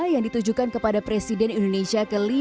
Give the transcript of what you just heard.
yang ditujukan kepada presiden indonesia ke lima